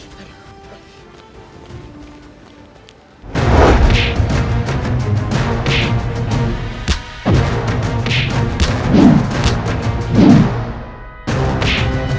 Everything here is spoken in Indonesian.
kami harus pergi dari sini